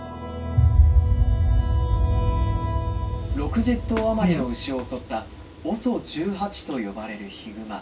「６０頭余りの牛を襲ったＯＳＯ１８と呼ばれるヒグマ。